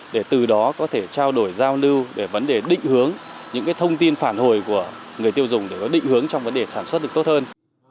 để từ đó có thể trao đổi giao lưu về vấn đề định hướng những thông tin phản hồi của người tiêu dùng để có định hướng trong vấn đề sản xuất được tốt hơn